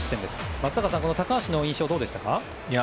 松坂さん、高橋の印象はどうでしたか？